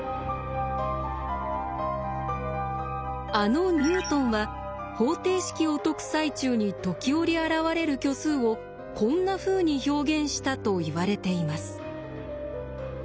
あのニュートンは方程式を解く最中に時折現れる虚数をこんなふうに表現したといわれています。